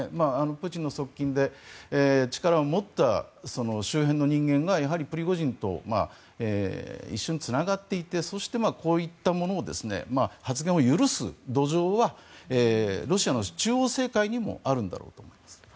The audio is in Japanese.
プーチンの側近で力を持った周辺の人間がやはりプリゴジンと一緒につながっていてそしてこういったものを発言を許す土壌はロシアの中央政界にもあるんだと思います。